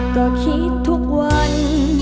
ก็คิดทุกวัน